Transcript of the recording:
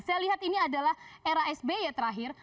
saya lihat ini adalah era sby terakhir